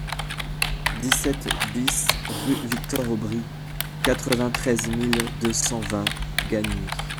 dix-sept BIS rue Victor Aubry, quatre-vingt-treize mille deux cent vingt Gagny